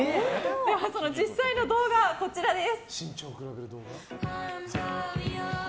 その実際の動画はこちらです。